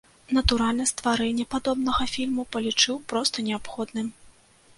Натуральна, стварэнне падобнага фільму палічыў проста неабходным.